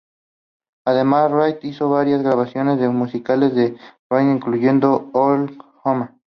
Además, Raitt hizo varias grabaciones de musicales de Broadway, incluyendo "Oklahoma!